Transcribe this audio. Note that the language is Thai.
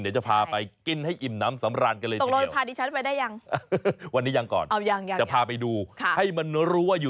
เดี๋ยวจะพาไปกินให้อิ่มน้ำสำราญกันเลยนะ